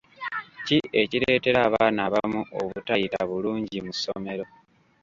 Ki ekireetera abaana abamu obutayita bulungi mu ssomero?